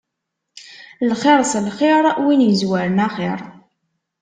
Lxiṛ s lxiṛ, win izwaren axiṛ.